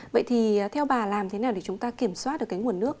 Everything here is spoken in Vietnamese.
vậy thì theo bà làm thế nào để chúng ta kiểm soát được cái nguồn nước